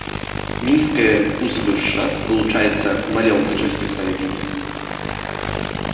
Мінскае ўзвышша вылучаецца маляўнічасцю краявідаў.